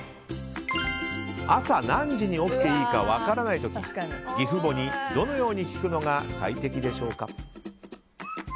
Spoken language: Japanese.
朝、何時に起きていいか分からない時義父母にどのように聞くのが最適でしょうか。